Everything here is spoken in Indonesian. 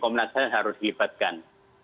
komunasen harus dilibatkan